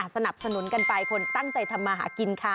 สนับสนุนกันไปคนตั้งใจทำมาหากินค่ะ